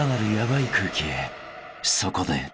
［そこで］